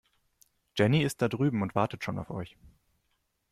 Jenny ist da drüben und wartet schon auf euch.